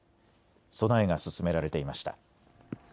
備えが進められていました。